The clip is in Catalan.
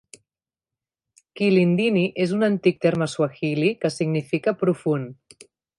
"Kilindini" és un antic terme suahili que significa "profund".